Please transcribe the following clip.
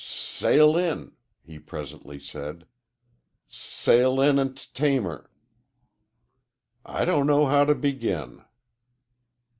"S sail in," he presently said. "S sail in an' t tame her." "I don't know how to begin."